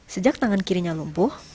sejak tangan kirinya lumpuh